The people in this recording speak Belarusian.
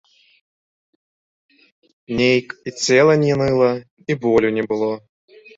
Нейк і цела не ныла, і болю не было.